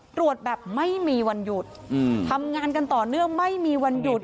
ตรวจแบบไม่มีวันหยุดทำงานกันต่อเนื่องไม่มีวันหยุด